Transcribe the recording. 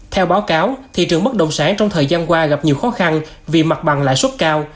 theo báo cáo thị trường bất động sản trong thời gian qua gặp nhiều khó khăn vì mặt bằng lãi suất cao